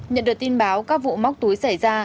nhận được tin báo các vụ móc túi xảy ra